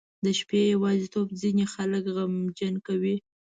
• د شپې یوازیتوب ځینې خلک غمجن کوي.